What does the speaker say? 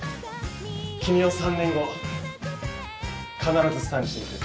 君を３年後必ずスターにしてみせる！